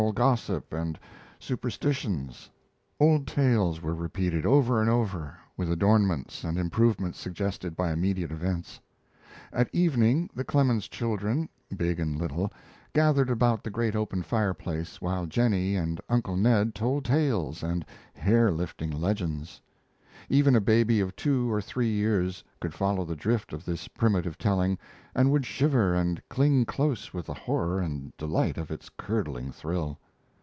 gossip and superstitions. Old tales were repeated over and over, with adornments and improvements suggested by immediate events. At evening the Clemens children, big and little, gathered about the great open fireplace while Jennie and Uncle Ned told tales and hair lifting legends. Even a baby of two or three years could follow the drift of this primitive telling and would shiver and cling close with the horror and delight of its curdling thrill.